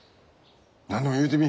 何でも言うてみ。